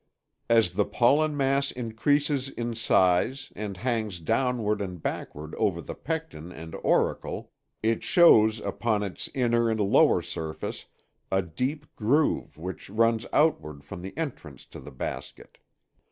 As the pollen mass increases in size and hangs downward and backward over the pecten and auricle it shows upon its inner and lower surface a deep groove which runs outward from the entrance to the basket.